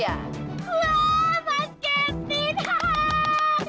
wah mas kevin